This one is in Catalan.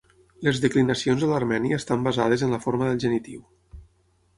Les declinacions a l'armeni estan basades en la forma del genitiu.